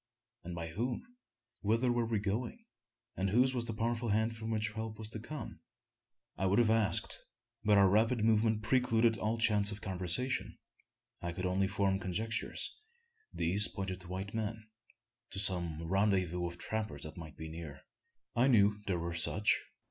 and by whom? Whither were we going? and whose was the powerful hand from which help was to come? I would have asked; but our rapid movement precluded all chance of conversation. I could only form conjectures. These pointed to white men to some rendezvous of trappers that might be near. I knew there were such.